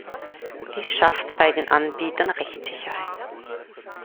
Dies schafft bei den Anbietern Rechtssicherheit.